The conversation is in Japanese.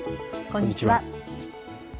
こんにちは。